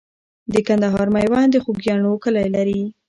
د کندهار میوند د خوګیاڼیو کلی لري.